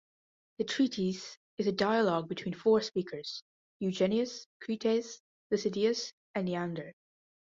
The treatise is a dialogue between four speakers: Eugenius, Crites, Lisideius, and Neander.